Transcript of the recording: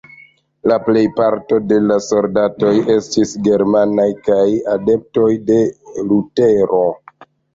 La plejparto de la soldatoj estis germanaj kaj adeptoj de Lutero.